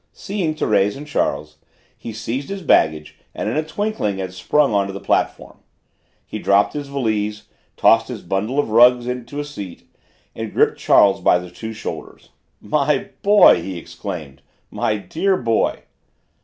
Seeing Thérèse and Charles he seized his baggage and in a twinkling had sprung on to the platform. He dropped his valise, tossed his bundle of rugs on to a seat, and gripped Charles by the two shoulders. "My boy!" he exclaimed; "my dear boy!"